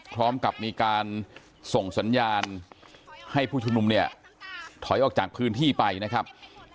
พร้อมกับมีการส่งสัญญาณให้ผู้ชุมนุมเนี่ยถอยออกจากพื้นที่ไปนะครับ